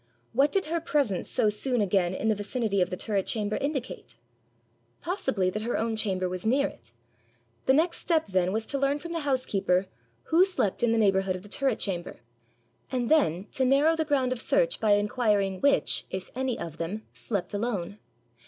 What did her presence so soon again in the vicinity of the turret chamber indicate? Possibly that her own chamber was near it. The next step then was to learn from the housekeeper who slept in the neighbourhood of the turret chamber, and then to narrow the ground of search by inquiring which, if any of them, slept alone.